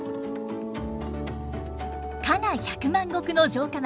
加賀百万石の城下町